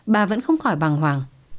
bà vẫn không khỏi bằng hoàng